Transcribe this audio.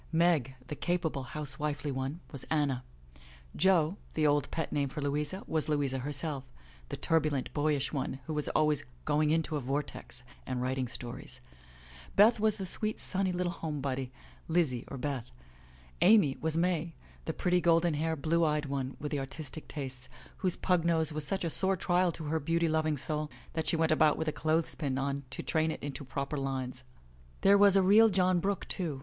Meg, the capable house wifely one, was Anna; Jo (the old pet name for Louisa) was Louisa, herself, the turbulent, boyish one, who was always ''going into a vortex" and writing stories; Beth was the sweet, sunny little home body, Lizzie or Beth; Amy was May, the pretty, golden haired, blue eyed one, with the artistic tastes, whose pug nose was such a sore trial to her beauty loving soul that she went about with a clothespin on it to train it into proper lines. There was a real John Brooke, too.